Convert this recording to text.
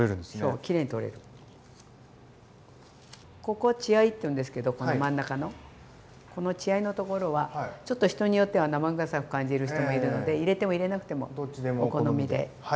ここ血合いっていうんですけどこの真ん中の血合いのところはちょっと人によっては生臭く感じる人もいるので入れても入れなくてもお好みで。